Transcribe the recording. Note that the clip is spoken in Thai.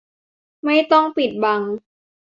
ไม่ต้องปิดบัง